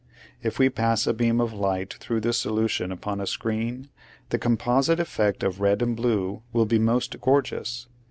If we pass a beam of light through this solution upon a screen, the composite effect of red and blue will be most gorgeous.